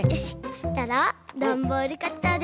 そしたらダンボールカッターで。